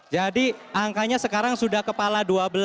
jadi angkanya sekarang sudah kepala dua belas